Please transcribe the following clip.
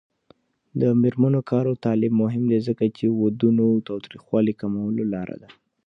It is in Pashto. د میرمنو کار او تعلیم مهم دی ځکه چې ودونو تاوتریخوالي کمولو لاره ده.